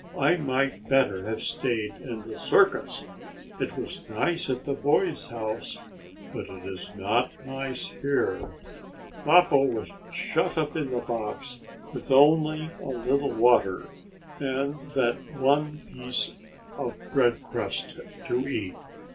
I might better have stayed in the circus. It was nice at the boy's house, but it is not nice here." Mappo was shut up in the box, with only a little water, and that one piece of bread crust to eat.